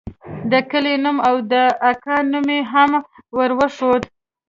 د کلي نوم او د اکا نوم مې هم وروښود.